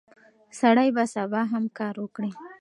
سړی به سبا هم کار وکړي.